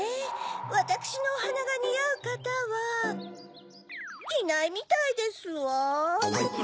わたくしのおはながにあうかたはいないみたいですわ。